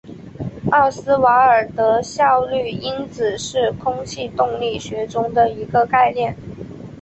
奥斯瓦尔德效率因子是空气动力学中的一个概念。